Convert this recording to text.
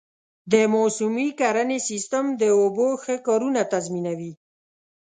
د موسمي کرنې سیستم د اوبو ښه کارونه تضمینوي.